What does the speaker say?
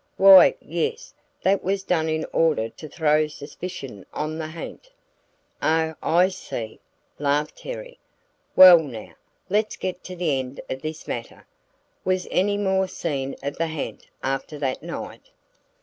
"Why yes, that was done in order to throw suspicion on the ha'nt." "Oh, I see!" laughed Terry. "Well, now, let's get to the end of this matter. Was any more seen of the ha'nt after that night?"